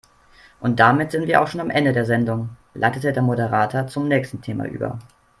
"Und damit sind wir auch schon am Ende der Sendung", leitete der Moderator zum nächsten Thema über.